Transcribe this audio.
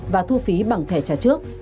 và thu phí bằng thẻ trả trước